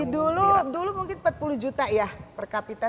dulu mungkin empat puluh juta ya per kapita